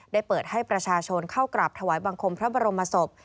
ได้เปิดให้ประชาชนเข้ากราบถวายบังคมพระบรมศพ